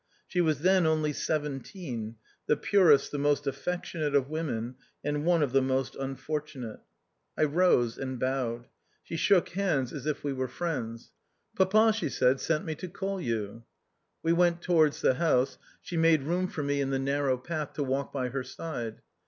She was then only seventeen, the purest, the most affectionate of women, and one of the most unfortunate. I rose and bowed ; she shook hands as if 78 THE OUTCAST. we were friends. " Papa," she said, " sent me to call you." We went towards the house ; she made room for me in the narrow path to walk by her side.